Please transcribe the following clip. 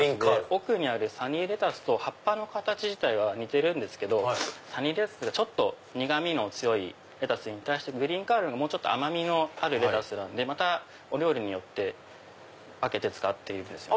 奥にあるサニーレタスと葉っぱの形自体は似てるけどサニーレタスよりちょっと苦みの強いレタスに対してグリーンカールは甘みのあるレタスなんでお料理によって分けて使っているんですね。